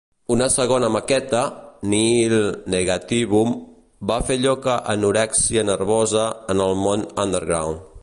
Una segona maqueta, "Nihil Negativum", va fer lloc a Anorexia Nervosa en el món underground.